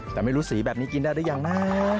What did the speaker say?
แต่ไม่รู้สีแบบนี้กินได้หรือยังนะ